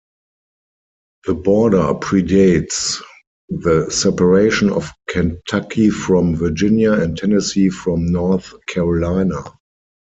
The border predates the separation of Kentucky from Virginia and Tennessee from North Carolina.